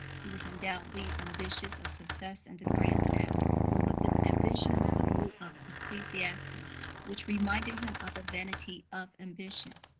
He was undoubtedly ambitious of success in the grand style. But with his ambition went the mood of Ecclesiastes, which reminded him of the vanity of ambition.